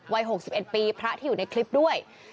วัย๖๑ปีพระที่อยู่ในคลิปด้วย